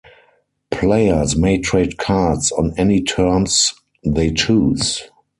Players may trade cards on any terms they choose.